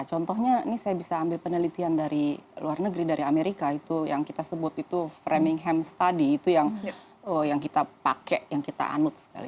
contohnya ini saya bisa ambil penelitian dari luar negeri dari amerika itu yang kita sebut itu framingham study itu yang kita pakai yang kita anut